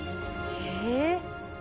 え。